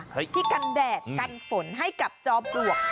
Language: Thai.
ที่กันแดดกันฝนให้กับจอมปลวก